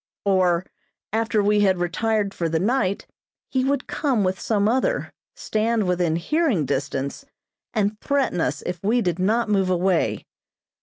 Or, after we had retired for the night, he would come with some other, stand within hearing distance, and threaten us if we did not move away.